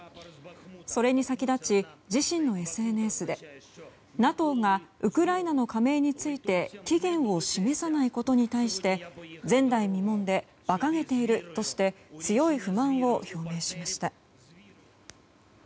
それに先立ち、自身のＳＮＳでＮＡＴＯがウクライナの加盟について期限を示さないことに対して前代未聞でばかげているとして強い不満を表明しました。